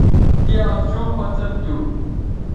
تی آز چوں پڅید تھو